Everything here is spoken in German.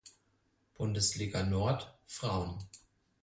Bundesliga Nord Frauen.